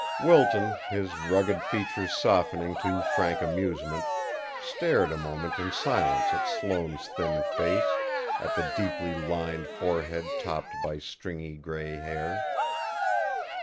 Wilton, his rugged features softening to frank amusement, stared a moment in silence at Sloane's thin face, at the deeply lined forehead topped by stringy grey hair.